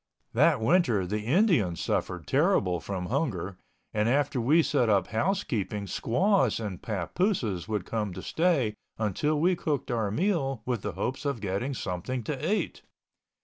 That winter the Indians suffered terrible from hunger and after we set up housekeeping squaws and papooses would come to stay until we cooked our meal with the hopes of getting something to eat.